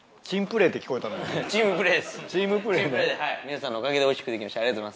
皆さんのおかげでおいしくできました。